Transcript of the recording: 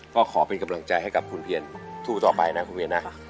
ก็ขอเป็นกำลังใจให้กับคุณเพียรสู้ต่อไปนะคุณเวียนนะ